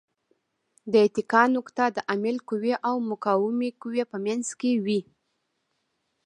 د اتکا نقطه د عامل قوې او مقاومې قوې په منځ کې وي.